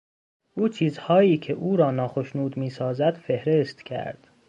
او چیزهایی که او را ناخشنود میسازد فهرست کرد.